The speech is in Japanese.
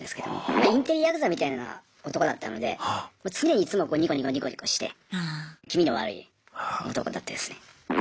まあインテリやくざみたいな男だったので常にいつもニコニコニコニコして気味の悪い男だったですね。